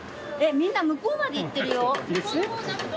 みんな向こうまで行ってるよ。